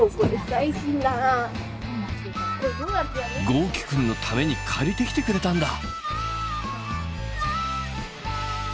豪輝くんのために借りてきてくれたんだ。